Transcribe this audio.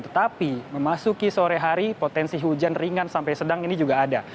tetapi memasuki sore hari potensi hujan ringan sampai sedang ini juga ada